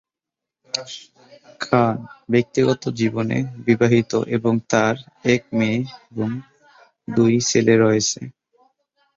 খান ব্যক্তিগত জীবনে বিবাহিত এবং তার এক মেয়ে এবং দুই ছেলে রয়েছে।